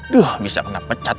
duh bisa kena pecat